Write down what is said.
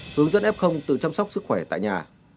hướng dẫn f từ chăm sóc sức khỏe tại nhà